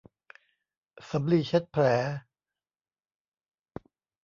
สำลีเช็ดแผล